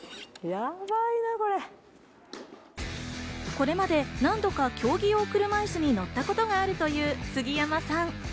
これまで何度か競技用車いすに乗ったことがあるという杉山さん。